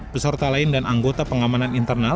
peserta lain dan anggota pengamanan internal